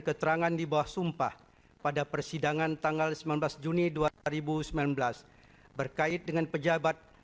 keterangan di bawah sumpah pada persidangan tanggal sembilan belas juni dua ribu sembilan belas berkait dengan pejabat